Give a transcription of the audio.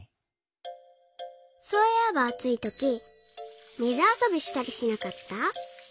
そういえばあついとき水あそびしたりしなかった？